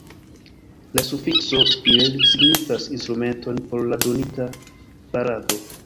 La sufikso « il » signifas instrumenton por la donita farado.